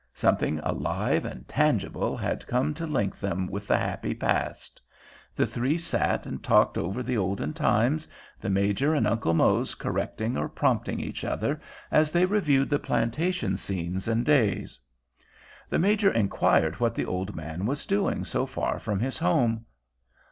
Something alive and tangible had come to link them with the happy past. The three sat and talked over the olden times, the Major and Uncle Mose correcting or prompting each other as they reviewed the plantation scenes and days. The Major inquired what the old man was doing so far from his home.